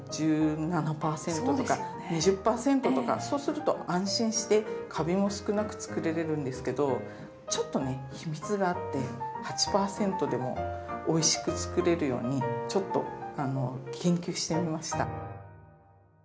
そうすると安心してかびも少なく作れるんですけどちょっとね秘密があって８％でもおいしく作れるようにちょっと研究してみました。